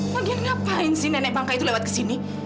lagian ngapain sih nenek bangka itu lewat ke sini